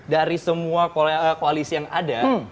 dari semua koalisi yang ada